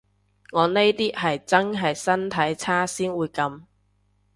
我呢啲係真係身體差先會噉